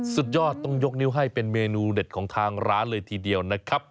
สุดยอดต้องยกนิ้วให้เป็นเมนูเด็ดของทางร้านเลยทีเดียวนะครับ